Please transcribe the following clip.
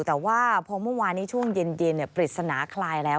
แต่ว่าพอเมื่อวานนี้ช่วงเย็นปริศนาคลายแล้ว